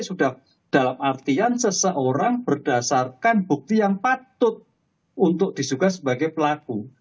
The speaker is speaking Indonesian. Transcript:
sudah dalam artian seseorang berdasarkan bukti yang patut untuk disuka sebagai pelaku